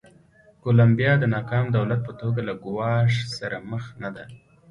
کولمبیا د ناکام دولت په توګه له ګواښ سره مخ نه ده.